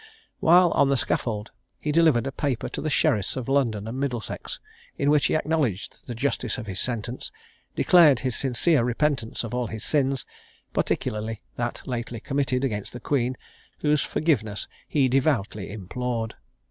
While on the scaffold, he delivered a paper to the sheriffs of London and Middlesex, in which he acknowledged the justice of his sentence, declared his sincere repentance of all his sins, particularly that lately committed against the Queen, whose forgiveness he devoutly implored.